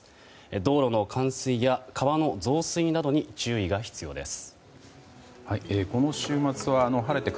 道路の冠水や河川の増水などに注意が必要です。